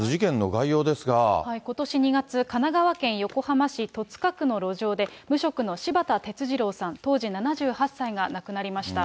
ことし２月、神奈川県横浜市戸塚区の路上で、無職の柴田哲二郎さん当時７８歳が亡くなりました。